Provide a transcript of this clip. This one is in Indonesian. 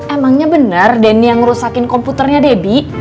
emangnya bener denny yang ngerusakin komputernya debbie